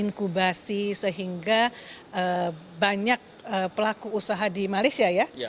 inkubasi sehingga banyak pelaku usaha di malaysia ya